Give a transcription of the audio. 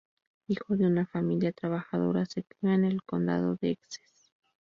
Hijo de una familia trabajadora, se crió en el condado de Essex.